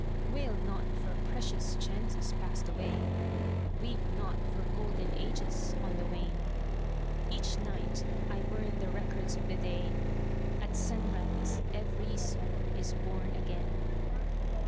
[ 27 ] Selected Poems Wail not for precious chances passed away, Weep not for golden ages on the wane ! Each night I burn the records of the day, — At sunrise every soul is born again